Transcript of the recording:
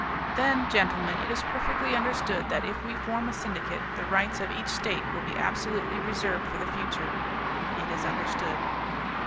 "Then, gentlemen, it is perfectly understood that if we form a syndicate the rights of each State will be absolutely reserved for the future." ... It is understood.